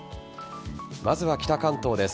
まずは北関東です。